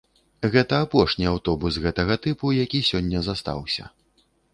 Гэта апошні аўтобус гэтага тыпу, які сёння застаўся.